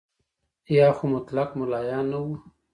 یا خو مطلق ملایان نه وو.